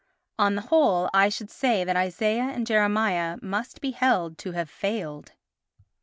On the whole I should say that Isaiah and Jeremiah must be held to have failed.